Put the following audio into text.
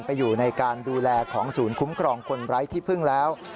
ไปอยู่ในการดูแลของศูนย์คุ้มครองคนไร้ที่พึ่งแล้ว